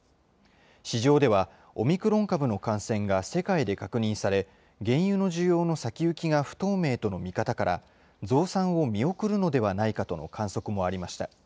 市場では、オミクロン株の感染が世界で確認され、原油の需要の先行きが不透明との見方から、増産を見送るのではないかとの観測もありました。